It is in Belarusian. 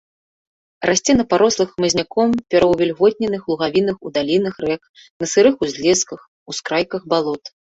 Расце на парослых хмызняком пераўвільготненых лугавінах у далінах рэк, на сырых узлесках, ускрайках балот.